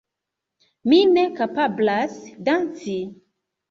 Mi ne kapablas danci.